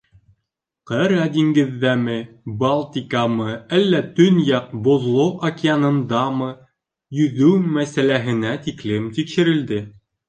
Ҡара диңгеҙҙәме, Балтиктамы, әллә Төньяҡ Боҙло океанындамы йөҙөү мәсьәләһенә тиклем тикшерелде.